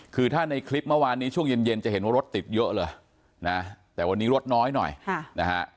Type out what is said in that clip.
คือถ้าในคลิปเมื่อวานนี้ช่วงเย็นเย็นจะเห็นว่ารถติดเยอะเลยนะแต่วันนี้รถน้อยหน่อยนะฮะ